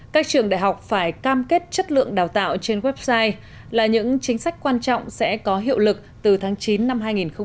các trường đại học phải cam kết chất lượng đào tạo trên website là những chính sách quan trọng sẽ có hiệu lực từ tháng chín năm hai nghìn hai mươi